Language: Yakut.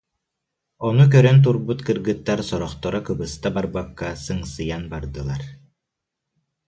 Ону көрөн турбут кыргыттар сорохторо кыбыста барбакка сыҥсыйан бардылар